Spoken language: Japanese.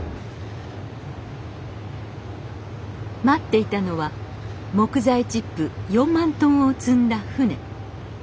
待っていたのは木材チップ４万トンを積んだ船。